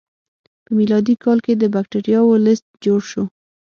په میلادي کال کې د بکتریاوو لست جوړ شو.